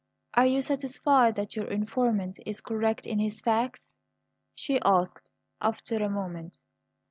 "Are you satisfied that your informant is correct in his facts?" she asked after a moment.